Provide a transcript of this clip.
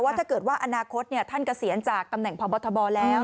ถ้าเกิดว่าอนาคตท่านเกษียณจากตำแหน่งพบทบแล้ว